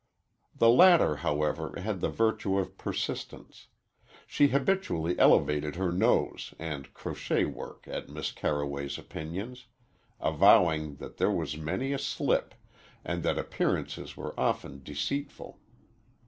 The latter, however, had the virtue of persistence. She habitually elevated her nose and crochet work at Miss Carroway's opinions, avowing that there was many a slip and that appearances were often deceitful.